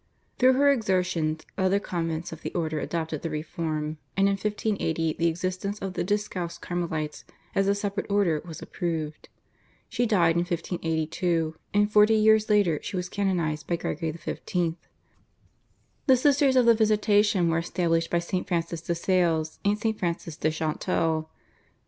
Through her exertions other convents of the order adopted the reform, and in 1580 the existence of the Discalced Carmelites as a separate order was approved. She died in 1582, and forty years later she was canonised by Gregory XV. The Sisters of the Visitation were established by St. Francis de Sales and St. Frances de Chantal.